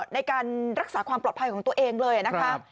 ในการรักษาความปลอดภัยของตัวเองเลยนะคะ